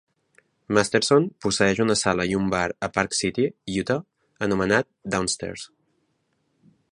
Masterson posseeix una sala i un bar a Park City, Utah, anomenat "Downstairs".